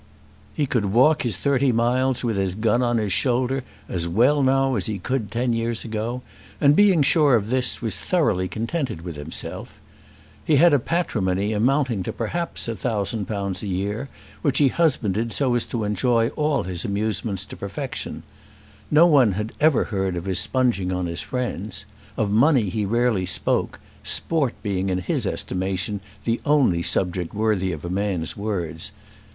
He could walk his thirty miles with his gun on his shoulder as well now as he could ten years ago; and being sure of this, was thoroughly contented with himself. He had a patrimony amounting to perhaps £1000 a year, which he husbanded so as to enjoy all his amusements to perfection. No one had ever heard of his sponging on his friends. Of money he rarely spoke, sport being in his estimation the only subject worthy of a man's words.